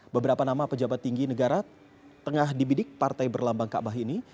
beberapa nama pejabat tinggi negara tengah dibidik partai berlambang kaabah ini